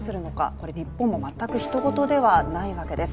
これは、日本も全くひと事ではないわけです。